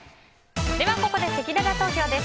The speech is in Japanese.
ここでせきらら投票です。